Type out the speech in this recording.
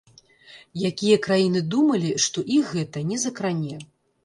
Якія краіны думалі, што іх гэта не закране.